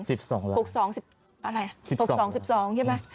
สิบสองล้านหกสองสิบอะไรสิบสองสิบสองใช่ไหม